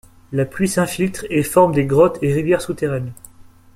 La pluie s'infiltre et forme des grottes et rivières souterraines.